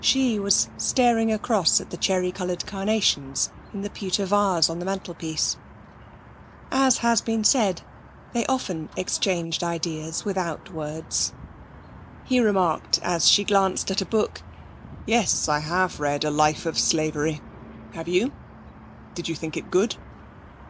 She was staring across at the cherry coloured carnations in the pewter vase on the mantelpiece. As has been said, they often exchanged ideas without words. He remarked, as she glanced at a book: 'Yes, I have read A Life of Slavery. Have you? Do you think it good?'